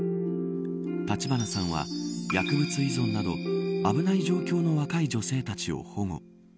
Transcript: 橘さんは、薬物依存など危ない状況の若い女性たちを保護。